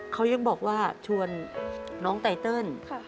เขายังบอกว่าชวนน้องไตเติล